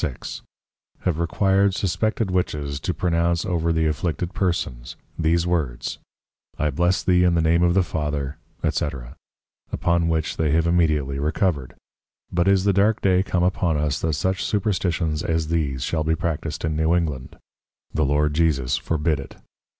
6._) have required suspected Witches to pronounce over the afflicted persons, these words, I bless thee in the Name of the Father, &c. upon which they have immediately recovered; but is the dark day come upon us, that such Superstitions as these shall be practised in New England: The Lord Jesus forbid it.